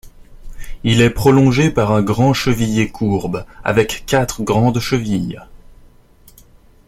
Il est prolongé par un grand cheviller courbe avec quatre grandes chevilles.